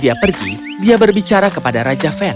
dia mulai menganggapkan raja fenn